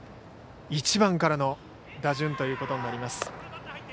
１番からの打順ということになります。